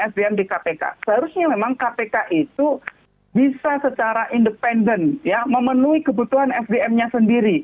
sdm di kpk seharusnya memang kpk itu bisa secara independen ya memenuhi kebutuhan sdm nya sendiri